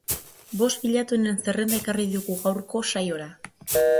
Bost bilatuenen zerrenda ekarri digu gaurko saiora.